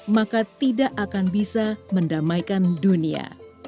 maka tidak akan bisa mendamaikan dunia